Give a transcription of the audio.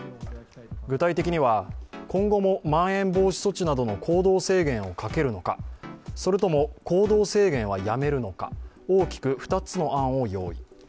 具体的には、今後もまん延防止措置などの行動制限をかけるのかそれとも、行動制限はやめるのか、大きく２つの案を用意。